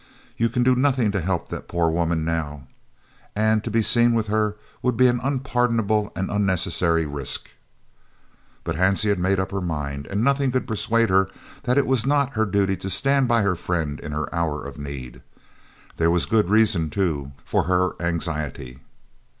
You can do nothing to help that poor woman now, and to be seen with her would be an unpardonable and unnecessary risk." But Hansie had made up her mind, and nothing could persuade her that it was not her duty to stand by her friend in her hour of need. There was good reason, too, for her anxiety.